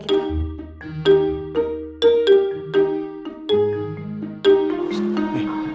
kita langsung berangkat aja